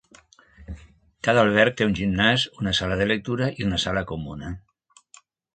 Cada alberg té un gimnàs, una sala de lectura i una sala comuna.